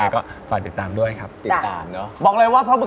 ก็ไม่เกี่ยวกับต่างประเทศรายการหนึ่ง